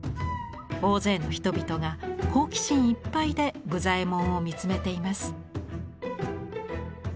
大勢の人々が好奇心いっぱいで武左衛門を見つめています。